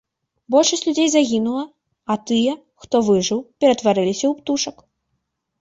Большасць людзей загінула, а тыя, хто выжыў, ператварыліся ў птушак.